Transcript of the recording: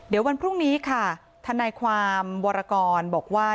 เดี๋ยววันพรุ่งนี้ค่ะทนายความวรกรบอกว่า